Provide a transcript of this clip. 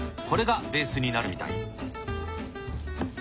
これがベースになるみたい。